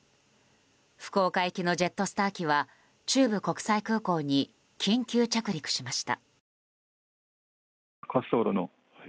福岡行きのジェットスター機は中部国際空港に緊急着陸しました。